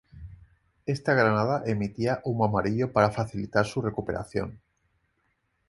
Esta granada emitía humo amarillo para facilitar su recuperación.